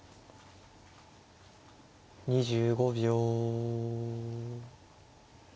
２５秒。